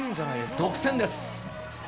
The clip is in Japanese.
独占です。